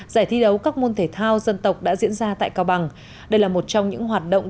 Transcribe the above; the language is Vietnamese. giải thi đấu các môn thể thao dân tộc đã diễn ra tại cao bằng đây là một trong những hoạt động